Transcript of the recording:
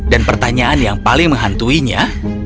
dan pertanyaan yang paling menghantuinya